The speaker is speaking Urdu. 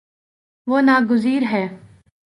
وہ نا گزیر ہے